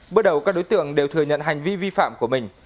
bước đầu các đối tượng đều thừa nhận hành vi vi phạm của mình